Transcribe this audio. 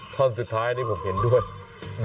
แต่หายแน่นหายแม้นดีหรอ